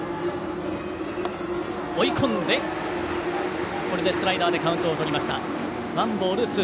追い込んで、スライダーでカウントをとりました。